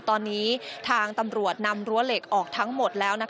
ตอนนี้ทางตำรวจนำรั้วเหล็กออกทั้งหมดแล้ว